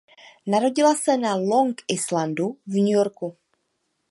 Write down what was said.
Narodila se na Long Islandu v New Yorku.